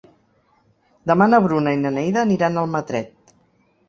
Demà na Bruna i na Neida aniran a Almatret.